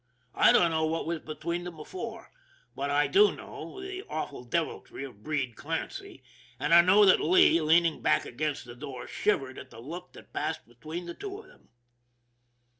I don't know what was between them before; but I do know the awful deviltry of Breed Clancy, and I know that Lee, leaning back against the car, shivered at the look that passed between the two of them.